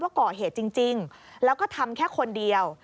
ก่อเหตุจริงแล้วก็ทำแค่คนเดียว